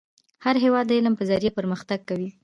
هر هیواد د علم په ذریعه پرمختګ کوي .